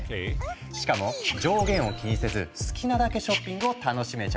しかも上限を気にせず好きなだけショッピングを楽しめちゃう。